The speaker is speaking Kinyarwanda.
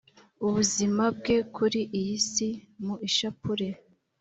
ubuzima bwe kuri iyi si, mu ishapule,